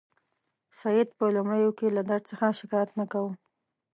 سید په لومړیو کې له درد څخه شکایت نه کاوه.